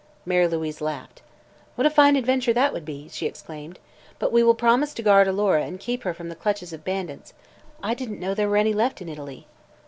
Mary Louise laughed. "What a fine adventure that would be!" she exclaimed. "But we will promise to guard Alora and keep her from the clutches of bandits. I didn't know there were any left in Italy."